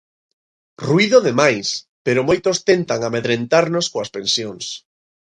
Ruído de máis, pero moitos tentan amedrentarnos coas pensións.